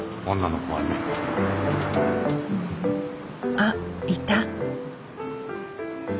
あっいた。